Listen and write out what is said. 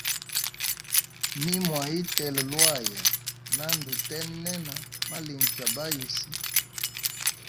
Nimwa itela lwaya, na ndutenena malingi ga ba yusi.